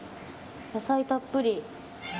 野菜たっぷり。